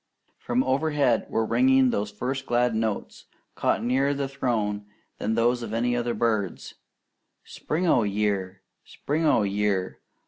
From overhead were ringing those first glad notes, caught nearer the Throne than those of any other bird, "Spring o' year! Spring o' year!"